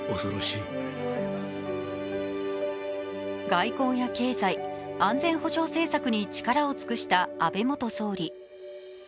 外交や経済、安全保障政策に力を尽くした安倍元総理。